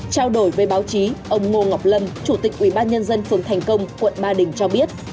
trao đổi với báo chí ông ngô ngọc lâm chủ tịch ubnd phường thành công quận ba đình cho biết